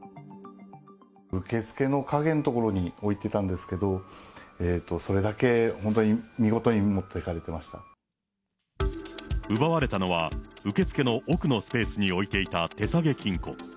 受付の陰の所に置いてたんですけど、それだけ本当に、奪われたのは、受付の奥のスペースに置いていた手提げ金庫。